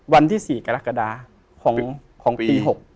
วันที่๔กรกฎาของปี๖